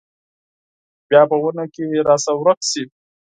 بیا په ونو کې راڅخه ورکه شي